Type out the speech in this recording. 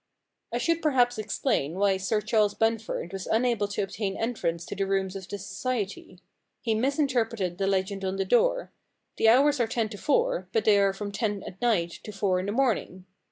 * I should perhaps explain why Sir Charles Bunford was unable to obtain entrance to the rooms of the society. He misinterpreted the legend on the door. The hours are ten to four, but they are from ten at night to four in the morning.